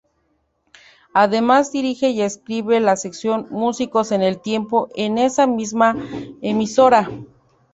Además dirige y escribe la sección Músicos en el Tiempo en esa misma emisora.